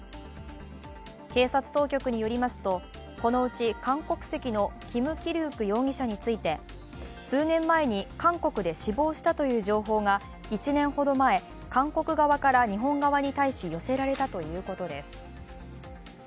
警察当局によりますとこのうち韓国籍のキム・キルウク容疑者について、数年前に韓国で死亡したという情報が１年ほど前、韓国側から日本側に対し寄せられたということです。